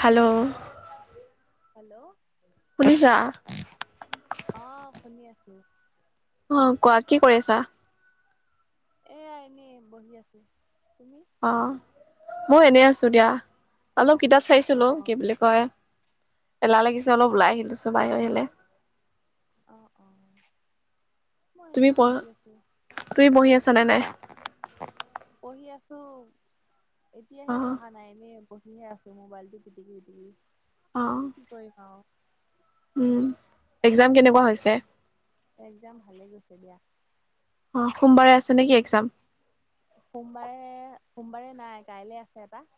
Hello. Hello. শুনিছা? অ' শুনি আছো। অ' কোৱা কি কৰি আছা? এয়া এনেই বহি আছো, তুমি? অ' ময় এনে আছো দিয়া, অলপ কিতাপ অ চাইছিলো কি বুলি কয়, এলাহ লাগিছে অলপ ওলাই আহিলো চো বাহ আহিলে। অ' অ'। মই তুমি এনেই পঢ়, বহি আছো তুমি পহি আছানে নাই? পঢ়ি আছো, অ এতিয়াহে পঢ়া নাই এনে পঢ়িহে আছো। মোবাইলটো পিতিকি পিতিকি। অঁ। গৈগাওঁ উম এক্সাম কেনেকুৱা হৈছে? এক্সাম ভালে গৈছে দিয়া। অ সোমবাৰে আছে নেকি এক্সাম? সোমবাৰে! সোমবাৰে নাই! কাইলে আছে এটা।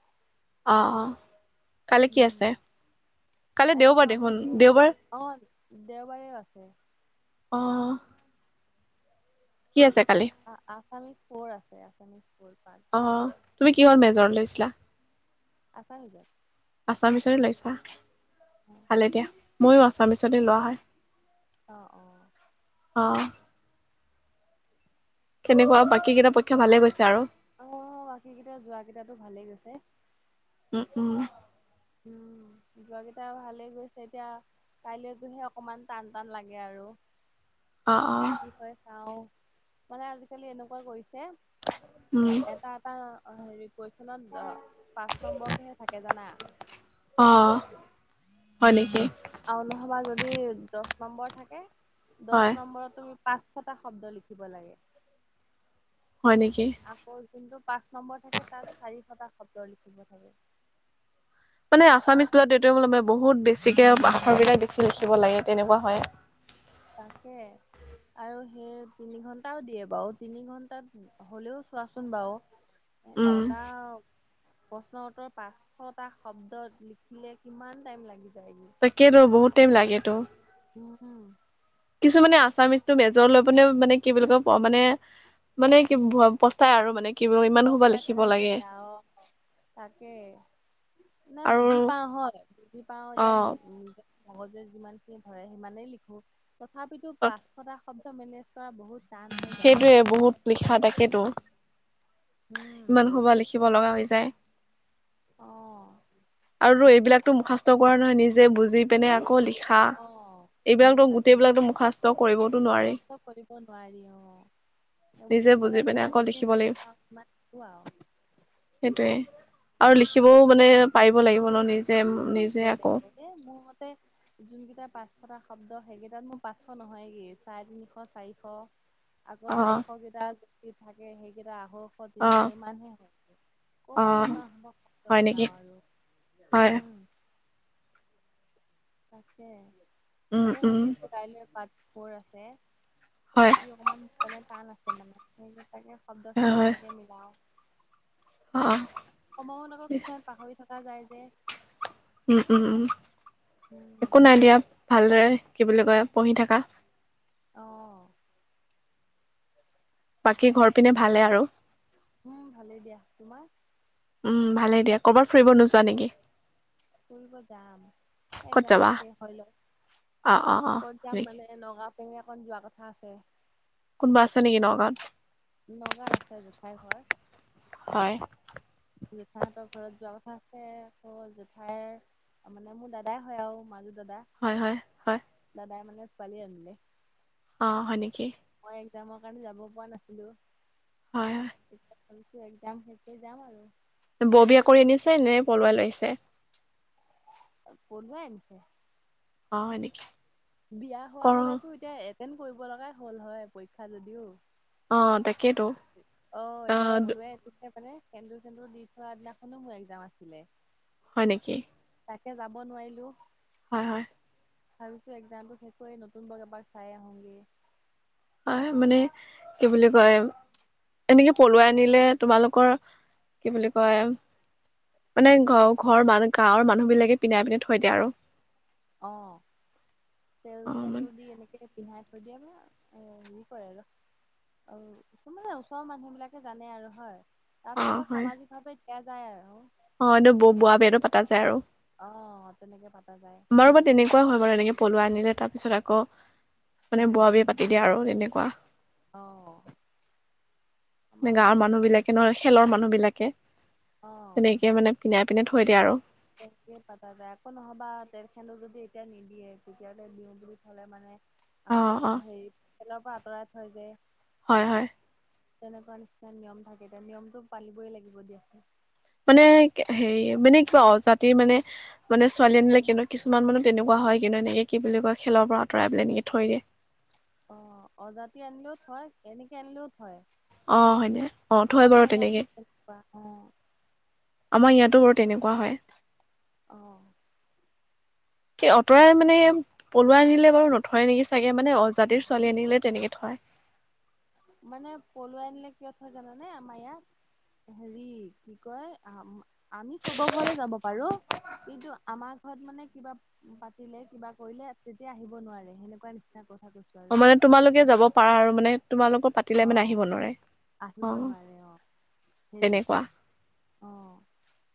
অঁ! অঁ! কালি কি আছে? কালি কাইলৈ দেওবাৰ মোৰ দেখোন আছামীজ, দেওবাৰ অঁ! দেওবাৰেও আছে। অঁ। কি আছে কালি? অঁ! অঁ! আসামিজ ফ'ৰ আছে, আছামিজ পেপাৰ। অঁ! তুমি কিহত মেজৰ লৈছিলা? আছামিজত। আচামিজে লৈছা! অ ভালে দিয়া, ময়ো আছামিজতে লোৱা হয়। অঁ অঁ। অঁ। কেনেকুৱা, বাকী কেইটা পৰীক্ষা ভালে গৈছে আৰু? অঁ! অঁ! বাকী কেইটা, যোৱা কেইটা টো ভালে গৈছে। উম উম। উম! যোৱা কেইটা ভালে গৈছে, এতিয়া। কাইলৈটোহে অকমান টান-টান লাগে আৰু। অঁ! অঁ। কৈ চাওঁ, মানে আজিকালি এনেকুৱা কৰিছে উম এটা এটা, হেৰি, কুৱেশ্যনত পাঁচ নম্বৰকেহে থাকে জানা! অঁ। হয় নেকি! আৰু নহ'বা যদি দহ নম্বৰ থাকে, দহ হয় নম্বৰত তুমি পাঁচ। এশটা শব্দ লিখিব লাগে। হয় নেকি! আকৌ যোনটো পাঁচ নম্বৰ থাকে, তাত চাৰিশটা শব্দ লিখিব থাকে। মানে আছামিজ ল'লে মানে বহুত বেছিকে আখৰ বিলাক অঁ! অঁ! তাকে। আৰু সেই তিনি ঘণ্টাও দিয়ে বাৰু! তিনি ঘণ্টাত হ'লেও চোৱাচোন বাৰু! উম এটা প্ৰশ্ন-উত্তৰ, পাঁচশটা শব্দ লিখিলে, কিমান টাইম লাগি যায়। তাকেটো! বহুত টাইম লাগেটো। উঁ! হুঁ! কিছুমানে আছামিজটো মেজৰ লৈ পেলে মানে, কি বুলি কয়, মানে! মানে কি ক'ব, পষ্টাই আৰু মানে! কি ইমান সোপা পস্তাই লিখিব থাকা, লাগে জাৱ, তাকে। নাই, আৰু বুজি পাওঁ হয়, বুজি পাওঁ অ যে নি মগজে যিমান খিনি ধৰে, সিমানেই লিখোঁ। তথাপিতো পাঁচশটা শব্দ মেনেজ কৰা বহুত টান হৈ যায় সেইটোযৱে, আৰু। বহুত লিখা, তাকেতো! উম। ইমান সোপা লিখিব লগা হৈ যায়। অঁ। আৰু তো এইবিলাকতো মুখস্ত কৰা নহয়, নিজে বুজি পিনে আকৌ লিখ খা! অ', সেই এইবিলাকটো তাকেই। গোটেইবিলাক মুখস্ত কৰিবওটো নোৱাৰি। তাকে, নোৱাৰি অঁ! নিজে বুজি পেলাই পিনে আকৌ লিখিব যিমানখিনি লাগিব পাওঁ সিমান খিনিয়ে আৰু। সেইটোৱে! আৰু লিখিবও মানে, পাৰিব লাগিব ন নিজ হয় সেই তাকে। এই মোৰ মতে যিকেইটা পাঁচশটা শব্দ, সেইকেইটাত মোৰ পাঁচশ নহয়গৈ! চাৰে তিনিশ চাৰিশ আগে অ চাৰিশ কেইটা যি থাকে সেইকেইটা আঢ়ৈশ অ তিনিশ ইমান হে হয়। অ ক'পানো ইমান সোপা শব্দ হয় নেকি মিলাওঁ আৰু হয় উম। তাকে উম তাকে উম ভাজি আছোঁ কাইলৈ পাৰ্ট ফ'ৰ আছে। হয় তথাপিও অকণমান মানে টান আছে মানে সেই তাকে শব্দখিনি হয় কেনেকৈ মিলাওঁ। অ সময়ত আকৌ কিছুমান পাহৰি থকা যায় যে। উম, উম, উম। উম। একো নাই দিয়া ভালদৰে কি বুলি কয় পঢ়ি থকা। আহ। বাকী ঘৰ পিনে ভালে আৰু? উম, ভালেই দিয়া তোমাৰ? উম, ভালে দিয়া ক'ৰবাত ফুৰিবোযোৱা নেকি? ফুৰিব যাম ক'ত এক্জামতটো যাবা শেষ হয় লয় অ অ অ ক'ত যাম নেকি মানে এ নগাও পিনে অকন যোৱা কথা আছে।। কোনোব আছে নেকি ন গাওঁত? ন গাওঁত আছে জোঠাই ঘৰ। হয়। জোঠাইাহঁতৰ ঘৰত যোৱা কথা আছে আকৌ জোঠাইৰ মানে মোৰ দাদাই হয় আৰু মাজু দাদা। হয় হয়। হয় দাদাই মানে ছোৱালী আনিলে। অ', হয় নেকি? মই এক্জামৰ কাৰণে যাব পৰা নাছিলো। হয়। একজাম শেষ কৰি যাম আৰু। বৰ বিয়া কৰি আনিছে নে পলুৱাই লৈ আহিছে? পলুৱাই আনিছে। অ', হয় নেকি? বিয়া হোৱা কৰ হলেতো এতিয়া এটেণ্ড কৰিব লগাই হ'ল হয় পৰীক্ষা যদিও। অ', তাকেইেতো। অ', এতিয়া পলোৱাই পিছে মানে সেন্দুৰ চেন্দুৰ দি থোৱা দিনাখনো মোৰ এক্জাম আছিলে। হয় নেকি? তাকে যাব নোৱাৰিলো। হয় হয়। ভাবিছো একজামটো শেষয কৰি নতুন বৌক এবাৰ চাই আহোঁগৈ। হয় মানে কি বুলি কয় এনেকে পলুৱাই আনিলে তোমালোকৰ কি বুলি কয় মানে ঘৰ ঘৰ গাঁৱৰ মানুহ বিলাকে পিন্ধাই পিনে থয়িয় আৰু। অ', তেল অ মানে চেন্দুৰ দি এনে কে পিন্ধাই থৈ দিয়া বা হেৰি কৰে আৰু। অ', কি মানে ওচৰৰ মানুহ বিলাকে জানে আৰু হয়। তাৰ অ পিছত আকৌ হয় সামাজিকভাৱে দিয়া যায় আৰু। অ', এইটো ব বুঢ়া বিয়াটো পতা যায় আৰু। অ', তেনেকে পতা যায়। বাৰোব তেনেকুৱা হয় বাৰু এনেকে পলুৱাই আনিলে তাৰ পিছত আকৌ মে উম বৰ বিয়া পা তি দিয়ে আৰু তেনেকুৱা। অ'। নে আমাৰ গাঁৱৰ ইয়াতে মানুহ বিলাকে তেনেকে নহয় খেলৰ মানুহ বিলাকে। অ'। তেনেকে মানে পিন্ধাই পিনে থৈ দিয়ে আৰু। তেহকে পাতা যায়। আকো নহ'বা তেলখেনো যদি এতিয়া নিদিয়ে, তেতিয়া দিওঁ বুলি থ'লে মানে অ আকৌ অ হেৰি তেলৰ পৰা আঁতৰাই থয় যে হয়, হয়। তেনেকুৱা নিচিনা নিয়ম থাকে। তিয়া নিয়মতটো পালিবই লাগিব দিয়া। মানে হেৰি, মানে কি অজাতিৰ মানে মানে ছোৱালী আনিলে কিন্তু কিছুমান মানুহ তেনেকুৱা হয় কিদানী। এই কি বুলি কয়, খেলৰ পৰা আঁতৰাই পেলাই এনেকে থৈ দিয়ে। অ', অজাতি আনিলেও থয়, এনেকে আনিলেও থয়। অ', হয়নে? অ থয় বাৰু আমাৰ তেনেকে ইয়াতো তেনেকুৱা। অ'। আমাৰ ইয়াতো বাৰু তেনেকুৱা হয়। অ'। এই অঁতৰাই মানে পলুৱাই আনিলে বাৰু নথয় নেকি চাগে মানে, অজাতিৰ ছোৱালী আনিলে তেনেকে থয়। মানে পলুৱাই আনিলে কিয় থয় জানানে? আমাৰ ইয়াত হেৰি, কি কয় আম- আমি চবৰ ঘৰলে যাব পাৰোঁ। কিন্তু আমাৰ ঘৰত মানে কিবা পাতিলে, কিবা কৰিলে তেতিয়া আহিব নোৱাৰে। হেনেকুৱা নিচিনা কথা কৈছোঁ অ আৰু। মানে তোমালোকে যাব পাৰা আৰু মানে, তোমালোকৰ পাতিলে অ। মানে আহিব নোৱাৰে। আহিব অ, নোৱাৰে অ সেইটো এনেকুৱা অ।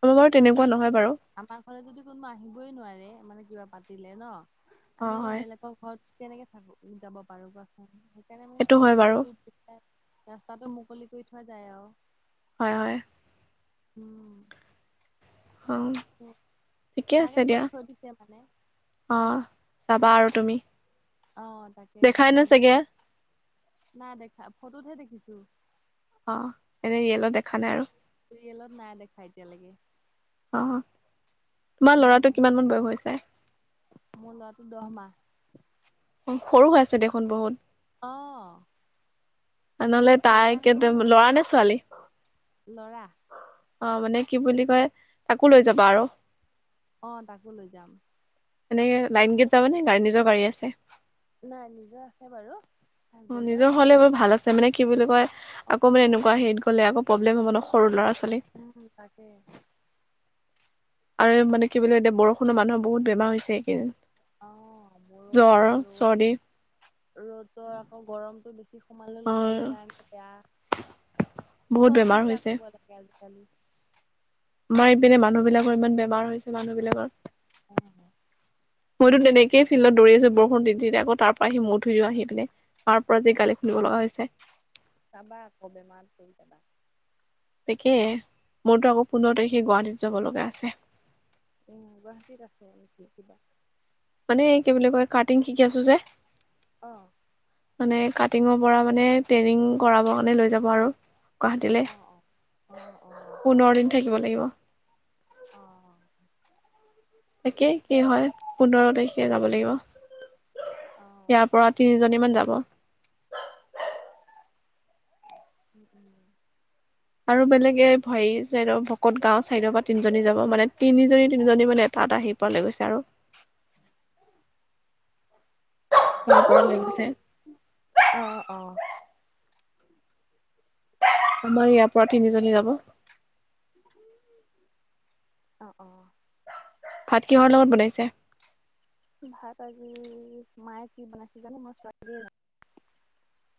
আমাৰ বাৰু এতিয়া আমি তেনেকুৱা নহয় যদি বাৰু। আমাৰ ঘৰত যদি কোনবা আহিবই নোৱাৰে। মানে কিবা পাতিলে ন'? অ আমি এ হয় বেলেগ ৰ ঘৰত কেনেকে থাকোঁ, যাব পাৰো কোৱা চোন? সেইকাৰণে মানে সেইটো হয় বাৰু তেল-সেন্দুৰটো দি পেলাই ৰাস্তাটো মুকলি কৰি থোৱা যায় আৰু হয়। হয়'। উম। অ'। উ', ঠিকে আছে তাকে দিয়া কৰি থৈ দিছে মানে অ', যাবা এতিয়া আৰু তুমি? অ', তাকে দেখাই যাম নাই বুলি চাগে ভাবিছোঁ। নাই দেখা ফটোতহে দেখিছোঁ। অ', এনে ৰিয়েলত দেখা নাই আৰু। ৰিয়েলত নাই দেখা এতিয়ালৈকে। অ', তোমাৰ উম ল'ৰাটোৰ কিমানমান বয়স হৈছে? মোৰ ল'ৰাটোৰ দহমাহ। অ', সৰু হৈ আছে দেখোন বহুত। অ'। নহ'লে তাই সেইকাৰণটো কেডম, ল'ৰা নে ছোৱালী? ল'ৰা। অ' মানে কি বুলি কয়, তাকো লৈ যাবা আৰু অ তাকো লৈ যাম এনেকে লাইন গেট ঠিক যাবা নে? নিজৰ গাড়ী আছে? নাই, নিজৰ আছে বাৰু। হাজবেণ্ডৰ নিজৰ হ'লে বাৰু ভাল আছে, মানে কি বুলি কয়। অ আকৌ মানে এনেকুৱা হেৰিত গ'লে আকৌ প্ৰব্লেম হ'ব ন? সৰু ল'ৰা-ছোৱালী উম, উম, তাকে। আৰু মানে কি বুলি কয় এতিয়া বৰষুণৰ মানুহৰ বহুত বেমাৰ হৈছে। ইকেইদিন অ', বৰষুণ, চৰ্দি ৰ'দ। ৰ'দৰ আকৌ গৰমটো বেছ [unintelligible] সোমালে অ ল'ৰা-ছোৱালীৰ কাৰণে বেয়া। বহুত চব বেমাৰ চিন্তা হৈছে কৰিব লাগে আজিকালি। আমাৰ ইপিনে মানুহবিলাকৰ ইমান বেমাৰ হৈছে। মানুহ বিলাকৰ [unintelligible] মইটো তেনেকেই ফিলদত দৌৰি আছোঁ। বৰষুণ তিতি তে আকৌ তাৰপৰা আহি মূৰ ধুও আহি পিনে। মাৰ পৰা যি অ', গালি শুনিব লগা হৈছে। চাবা আকৌ বেমাৰত পৰি যাবা। তাকেহে মোৰটো আকৌ পোন্ধৰ তাৰিখে গুৱাহাটীত যাব লগা আছে। উম গুৱাহাটীত আছে নেকি? কিবা মানে কি বুলি কয় কাটিং শিকি আছোঁ যে অহ' মানে কাটিঙৰ পৰা মানে ট্ৰেইনিং কৰাব কাৰণে লৈ যাব আৰু গুৱাহাটীলৈ অ অ অ অ পোন্ধৰ দিন থাকিব লাগিব। অ' একে কি হয় পোন্ধৰ তাৰিখে যাব লাগিব। অ ইয়াৰ পৰা তিনিজনী মান যাব উম উম আৰু বেলেগে ভেৰি চাইদৰ ভকত গাঁওৰ ছাইডৰ পৰা তিনিজনী যাব মানে তিনিজনী তিনিজনী মানে এটাত আহিব পাললৈ গৈছে আৰু গাহ পৰা লৈ গৈছে অ' আমাৰ ইয়াৰ পৰা তিনিজনী যাব। অ', অ' ভাত কিহৰ লগত বনাইছে? ভাত আজি মায়ে কি বনাইছে জানো মই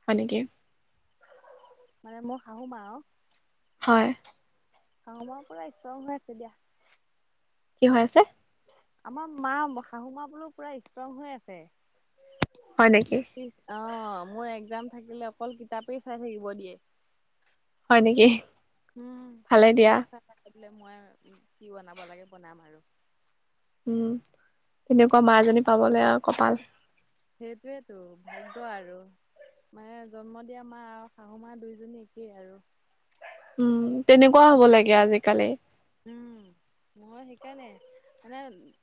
হয় নেকি মানে মোৰ শাহুমা হয়। অ', মই পুৰা ষ্ট্ৰং হৈ আছো দিয়া কি হৈ আছে আমাৰ মা শাহু মা বোলো পুৰা স্প্ৰং হৈ আছে হয় নেকি অ', মোৰ এক্জাম থাকিলে অকল কিতাপেই চাই থাকিব দিয়ে হয় নেকি? উম ভালে দিয়া কাপখনকে চাই থাকে বোলে মই কি বনাব লাগে বনাম আৰু উম তেনেকুৱা মাজী পাবলে আৰু কপাল সেইটয়েতো ভদ আৰু মানে জন্ম দিয়া মা আৰু শাহু মা দুইজনী একেই আৰু উম তেনেকুৱা হব লাগে আজিকালি উম মই সেইকাৰণে মানে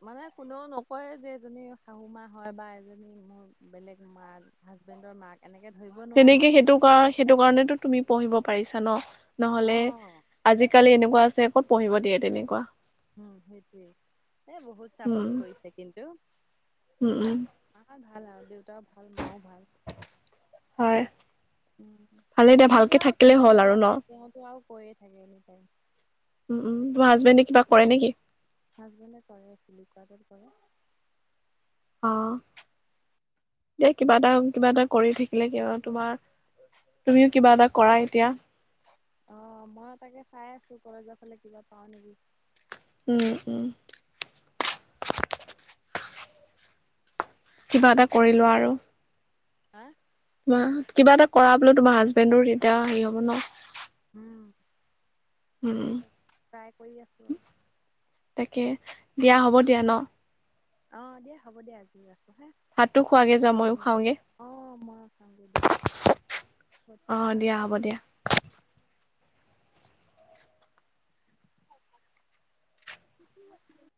মানে কোনেও নকয় যে এজনী শাহু মা হয় বা এজনী মোৰ বেলেগ মা হাজবেণ্ডৰ মাক এনেকে ধৰিব নোৱাৰে তেনেকে সেইটো কাৰ সেইটো কাৰণেতো তুমি পঢ়িব পাৰিছা ন অ নহলে আজিকালি এনেকুৱা আছে ক'ত পঢ়িব দিয়ে তেনেকুৱা উ সেইটোৱে এ বহুত চাপৰ্ট উম কৰিছে কিন্তু। উম উম মা ভাল আৰু দেউতাও ভাল মাও ভাল হয় ভালে দিয়া ভালকে হাজবেণ্ডটো আৰু থাকিলেই ক'বই হ'ল আৰু ন নালাগে তেওঁতো আৰু কৈয়ে থাকে এনি টাইম উম উম তোৰ হাজবেণ্ডে কিবা কৰে নেকি? হাজবেণ্ডে কৰে ফ কোৱাডৰ কৰে অ', দ কিবা এটা কিবা এটা কৰি থাকিলে ক তাকে। তোমাৰ তুমিও কিবা এটা কৰা এতিয়া অ', মই তাকে চাই আছো কলেজৰ ফালে কিবা পাও নেকি উম উম কিবা এটা কৰি লোৱা আৰু হা? মা কিবা এটা কৰা বোলে তোমাৰ হাজবেণ্ডৰ তেতিয়া হেৰি হ'ব ন'। উম, উম ট্ৰাই কৰি আছোঁ আৰু। তাকে, দিয়া হ'ব দিয়া ন'। অহ, দিয়া হ'ব দে আজি ৰাখোঁ হা, ভাতটো খোৱাগে যোৱা পিছত ময়ো ফোন কৰিম। অহ, মই চামগৈ দিয়া। অহ, দিয়া হ'ব দিয়া। [unintelligible]